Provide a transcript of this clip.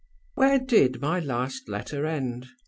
"Where did my last letter end?